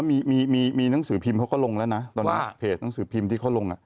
อันนี้คือแบบสอด